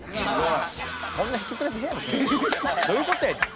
どういうことやねん？